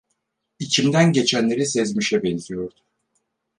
İçimden geçenleri sezmişe benziyordu.